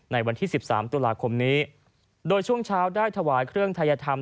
ในวันที่๑๓ตุลาคมนี้โดยช่วงเช้าได้ถวายเครื่องทัยธรรม